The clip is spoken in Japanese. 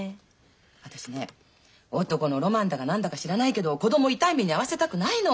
私ね男のロマンだか何だか知らないけど子供を痛い目に遭わせたくないの。